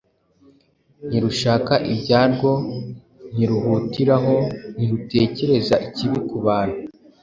Ntirushaka ibyarwo ntiruhutiraho; ntirutekereza ikibi ku bantu: